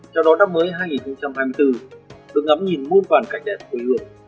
trong đó năm mới hai nghìn hai mươi bốn được ngắm nhìn muôn toàn cảnh đẹp quê hương